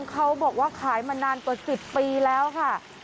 เขาบอกว่าขายมานานกว่า๑๐ปีแล้วค่ะ